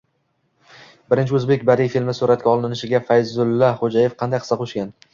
Birinchi o‘zbek badiiy filmi suratga olinishiga Fayzulla Xo‘jayev qanday hissa qo‘shgan?